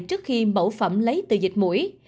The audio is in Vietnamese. trước khi mẫu phẩm lấy từ dịch mũi